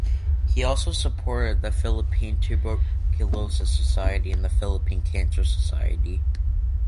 He also supported the Philippine Tuberculosis Society and the Philippine Cancer Society.